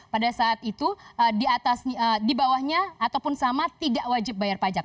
pada saat itu di bawahnya ataupun sama tidak wajib bayar pajak